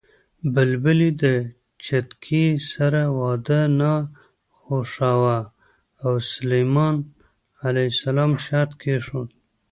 بلبلې د چتکي سره واده نه خوښاوه او سلیمان ع شرط کېښود